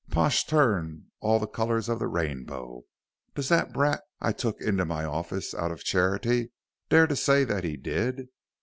Pash turned all the colors of the rainbow. "Does that brat I took into my office out of charity dare to say that he did."